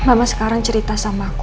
mama sekarang cerita sama aku